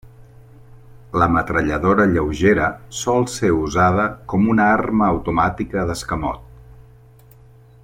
La metralladora lleugera sol ser usada com una arma automàtica d'escamot.